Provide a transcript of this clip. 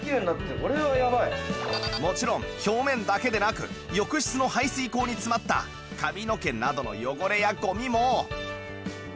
もちろん表面だけでなく浴室の排水口に詰まった髪の毛などの汚れやゴミも